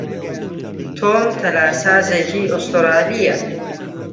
تۆم تەلارسازێکی ئوسترالییە.